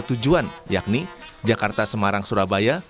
tujuan yakni jakarta semarang surabaya